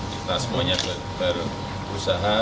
kita semuanya berusaha